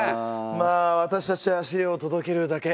まあ私たちは資料を届けるだけ。